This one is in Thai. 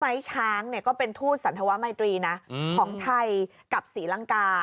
ช้างเนี่ยก็เป็นทูตสันธวมัยตรีนะของไทยกับศรีลังกา